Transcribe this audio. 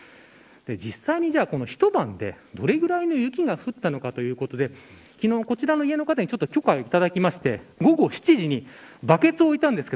実際に一晩でどれぐらいの雪が降ったのかということで昨日、こちらの家の方に許可をいただいて午後７時にバケツを置きました。